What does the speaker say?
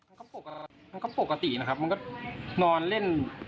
มันก็ปกตินะครับมันก็นอนเล่น